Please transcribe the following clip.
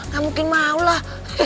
gak mungkin mau lah